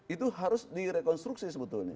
itu harus direkonstruksi sebetulnya